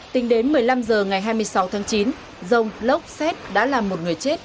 tính đến một mươi năm h ngày hai mươi sáu tháng chín dông lốc xét đã làm một người chết